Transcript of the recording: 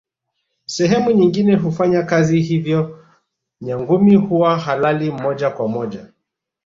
Sehemu nyingine hufanya kazi hivyo Nyangumi huwa halali moja kwa moja